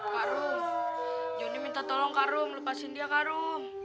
karung johnny minta tolong karung lepasin dia karung